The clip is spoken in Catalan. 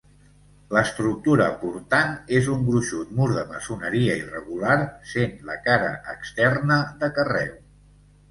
L'estructura portant és un gruixut mur de maçoneria irregular, sent la cara externa de carreu.